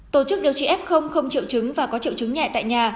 tổ chức điều trị f không triệu chứng và có triệu chứng nhẹ tại nhà